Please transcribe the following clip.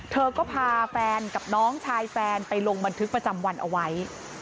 เธอก็พาแฟนกับน้องชายแฟนไปลงบันทึกประจำวันเอาไว้